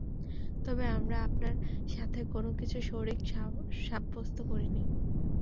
তবে আমরা আপনার সাথে কোন কিছু শরীক সাব্যস্ত করিনি।